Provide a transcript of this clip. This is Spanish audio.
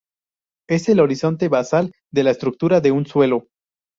Es el horizonte basal de la estructura de un suelo.